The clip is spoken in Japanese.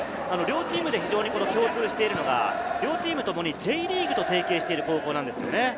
両チーム共通しているのが、ともにＪリーグと提携している高校なんですよね。